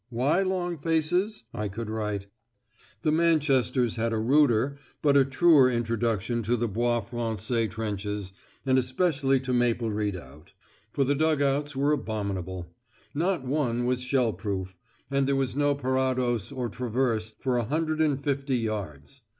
"Why long faces?" I could write. The Manchesters had a ruder but a truer introduction to the Bois Français trenches, and especially to Maple Redoubt. For the dug outs were abominable; not one was shell proof; and there was no parados or traverse for a hundred and fifty yards.